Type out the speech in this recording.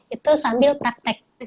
itu sambil praktek